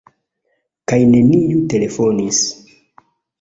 Kaj neniu telefonis.